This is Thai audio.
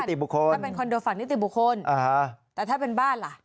ถ้าเป็นคอนโดฝากนิติบุคคลแต่ถ้าเป็นบ้านล่ะ